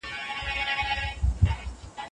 چېري د سرحدي ځواکونو ناوړه چلند پیښیږي؟